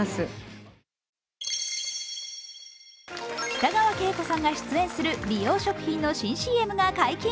北川景子さんが出演する美容食品の新ＣＭが解禁。